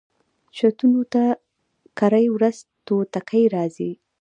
چتونو ته کرۍ ورځ توتکۍ راځي